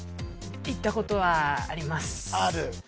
行ったことはありますある？